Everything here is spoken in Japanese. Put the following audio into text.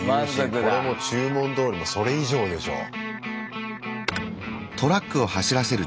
これも注文どおりのそれ以上でしょう。